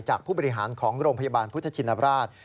ผู้บริหารของโรงพยาบาลพุทธชินราช